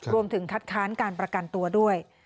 รวมถึงคัดค้านการประกันตัวด้วย